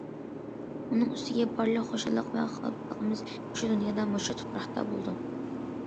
ئۇنىڭ ئۈستىگە بارلىق خۇشاللىق ۋە خاپىلىقىمىز مۇشۇ دۇنيادا، مۇشۇ تۇپراقتا بولىدۇ.